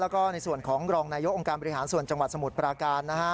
แล้วก็ในส่วนของรองนายกองค์การบริหารส่วนจังหวัดสมุทรปราการนะฮะ